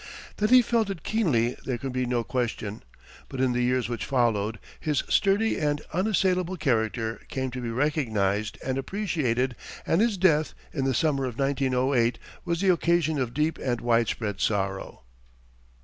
That he felt it keenly there can be no question; but in the years which followed, his sturdy and unassailable character came to be recognized and appreciated, and his death, in the summer of 1908, was the occasion of deep and widespread sorrow.